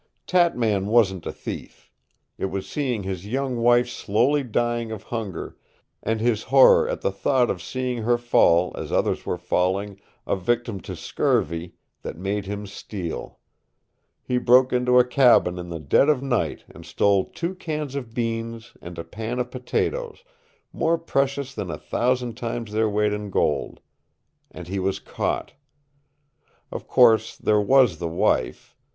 "Tatman wasn't a thief. It was seeing his young wife slowly dying of hunger, and his horror at the thought of seeing her fall, as others were falling, a victim to scurvy, that made him steal. He broke into a cabin in the dead of night and stole two cans of beans and a pan of potatoes, more precious than a thousand times their weight in gold. And he was caught. Of course, there was the wife.